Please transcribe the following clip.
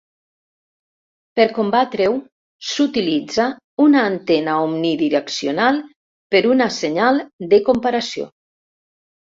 Per combatre-ho, s'utilitza una antena omnidireccional per una senyal de comparació.